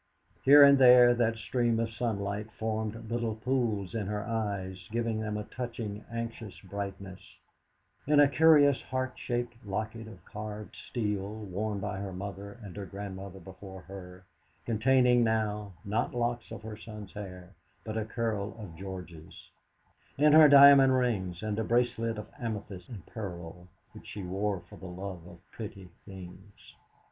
Here and there that stream of sunlight formed little pools in her eyes, giving them a touching, anxious brightness; in a curious heart shaped locket of carved steel, worn by her mother and her grandmother before her, containing now, not locks of their son's hair, but a curl of George's; in her diamond rings, and a bracelet of amethyst and pearl which she wore for the love of pretty things.